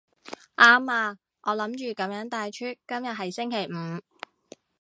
啱啊，我諗住噉樣帶出今日係星期五